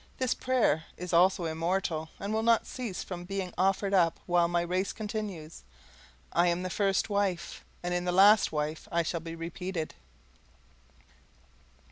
This prayer is also immortal, and will not cease from being offered up while my race continues. I am the first wife; and in the last wife I shall be repeated.